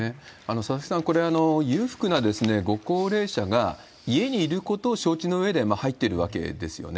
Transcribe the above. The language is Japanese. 佐々木さん、これ、裕福なご高齢者が家にいることを承知のうえで入ってるわけですよね。